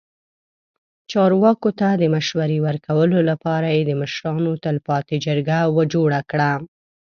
چارواکو ته د مشورې ورکولو لپاره یې د مشرانو تلپاتې جرګه جوړه کړه.